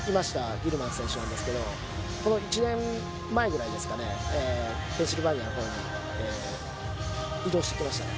ギルマン選手なんですけれども、１年前ですかね、ペンシルベニアのほうに移動してきましたね。